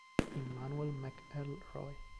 Immanuel McElroy